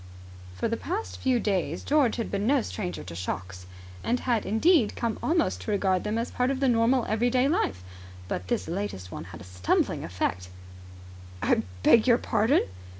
For the past few days George had been no stranger to shocks, and had indeed come almost to regard them as part of the normal everyday life; but this latest one had a stumbling effect. "I beg your pardon?"